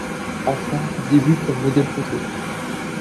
Enfant, il débute comme modèle photo.